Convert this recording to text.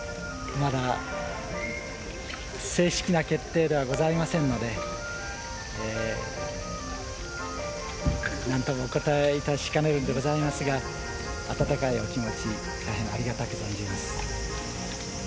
まだ正式な決定ではございませんので、なんともお答えいたしかねるんでございますが、温かいお気持ち、大変ありがたく存じます。